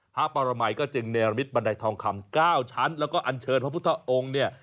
พระปรมัยก็จึงเนรมิตบันไดทองคำ๙ชั้นแล้วก็อันเชิญพระพุทธองค์เนี่ย